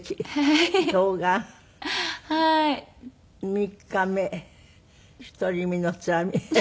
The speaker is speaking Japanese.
「三日目独り身のつらみ」